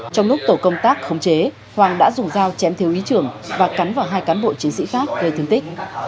trong lúc tổ công tác khống chế hoàng đã dùng dao chém thiếu ý trưởng và cắn vào hai cán bộ chiến sĩ khác gây thương tích